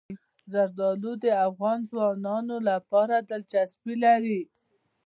زردالو د افغان ځوانانو لپاره دلچسپي لري.